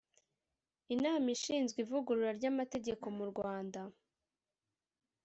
Inama ishinzwe Ivugurura ry’Amategeko mu Rwanda